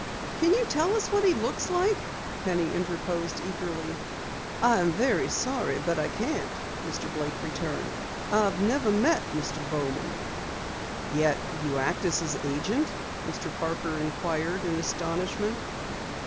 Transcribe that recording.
"Can you tell us what he looks like?" Penny interposed eagerly. "I am very sorry, but I can't," Mr. Blake returned. "I've never met Mr. Bowman." "Yet you act as his agent?" Mr. Parker inquired in astonishment.